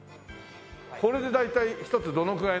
これで大体１つどのくらい？